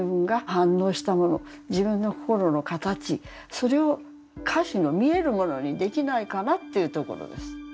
それを可視の見えるものにできないかなっていうところです。